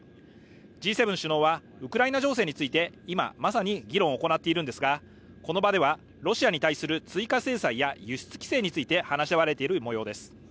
Ｇ７首脳はウクライナ情勢について、今まさに議論を行っているんですが、この場ではロシアに対する追加制裁や輸出規制について話し合われているもようです。